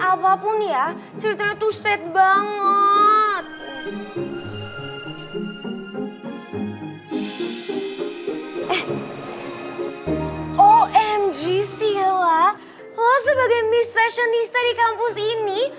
lu sebagai miss fashionista di kampus ini